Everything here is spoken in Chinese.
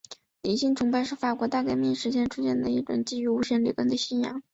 理性崇拜是法国大革命时期出现的一种基于无神论的信仰。